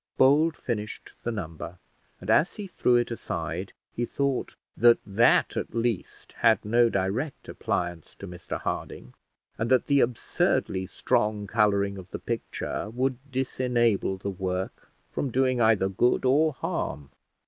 Bold finished the number; and as he threw it aside, he thought that that at least had no direct appliance to Mr Harding, and that the absurdly strong colouring of the picture would disenable the work from doing either good or harm.